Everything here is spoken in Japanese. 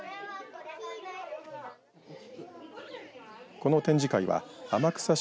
この展示会は天草市